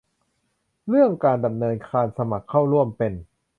เรื่องการดำเนินการสมัครเข้าร่วมเป็น